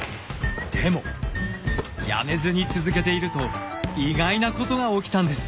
でもやめずに続けていると意外なことが起きたんです。